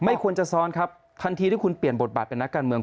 ไม่ควรจะซ้อนครับทันทีที่คุณเปลี่ยนบทบาทเป็นนักการเมือง